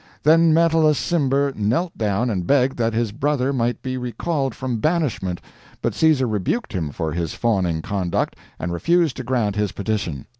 Then Metellus Cimber knelt down and begged that his brother might be recalled from banishment, but Caesar rebuked him for his fawning conduct, and refused to grant his petition.